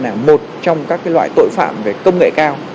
là một trong các loại tội phạm về công nghệ cao